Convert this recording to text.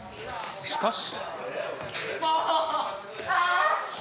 しかし。